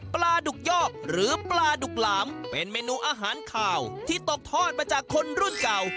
ปลาดุกยอกหรือปลาดุกหลามเป็นเมนูอาหารขาวที่ตกทอดมาจากคนรุ่นเก่า